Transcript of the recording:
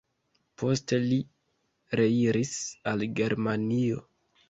Poste li reiris al Germanio.